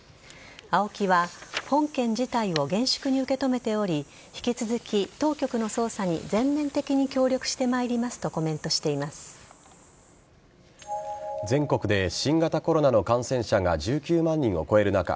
ＡＯＫＩは、本件事態を厳粛に受け止めており引き続き当局の捜査に全面的に協力してまいりますと全国で新型コロナの感染者が１９万人を超える中